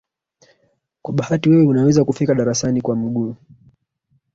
Kwa bahati wewe unaweza kufika darasani kwa miguu.